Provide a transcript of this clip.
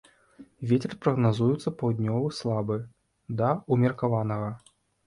Вецер прагназуецца паўднёвы слабы да ўмеркаванага.